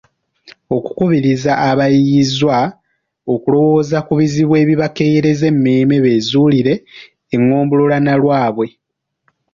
Okukubiriza abayiiyizwa okulowooza ku bizibu ebibakeeyereza emmeeme, beezuulire engombolola nnalwabwe